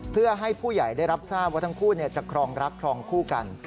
เพื่อให้ผู้ใหญ่ได้รับทราบว่าทั้งคู่จะครองรักครองคู่กัน